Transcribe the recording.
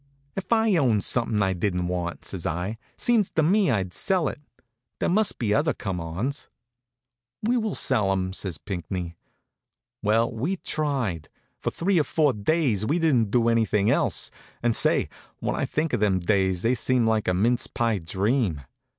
"If I owned something I didn't want," says I, "seems to me I'd sell it. There must be other come ons." "We will sell him," says Pinckney. Well, we tried. For three or four days we didn't do anything else; and say, when I think of them days they seem like a mince pie dream.